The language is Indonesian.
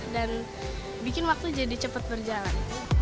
dan bikin waktu jadi cepat berjalan